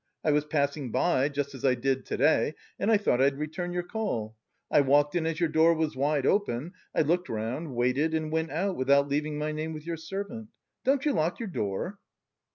I was passing by, just as I did to day, and I thought I'd return your call. I walked in as your door was wide open, I looked round, waited and went out without leaving my name with your servant. Don't you lock your door?"